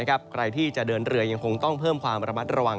ใครที่จะเดินเรือยังคงต้องเพิ่มความระมัดระวัง